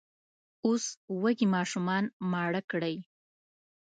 اوس وږي ماشومان ماړه کړئ!